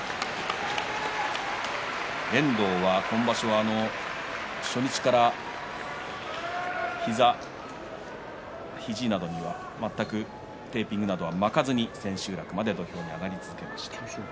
遠藤は今場所、初日から膝や肘などには、全くテーピングなどを巻かずに土俵に上がり続けました。